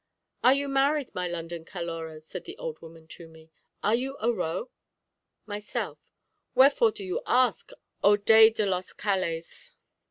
"Are you married, my London Caloró?" said the old woman to me. "Are you a ro?" Myself Wherefore do you ask, O Dai de los Calés?